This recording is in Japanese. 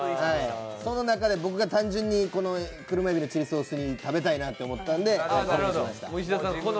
その中で僕が単純にこの、車えびのチリソースを食べたいと思ったので。